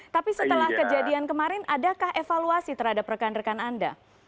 tapi setelah kejadian kemarin adakah evaluasi terhadap rekan rekan anda